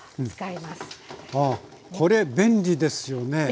ああこれ便利ですよね。